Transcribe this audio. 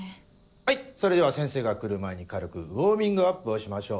はいそれでは先生が来る前に軽くウオーミングアップをしましょう。